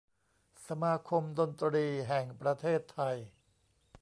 สมาคมดนตรีแห่งประเทศไทย